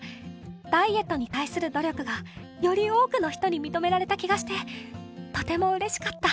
ダイエットに対する努力が、より多くの人に認められた気がしてとても嬉しかった。